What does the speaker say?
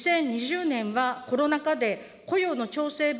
２０２０年はコロナ禍で雇用の調整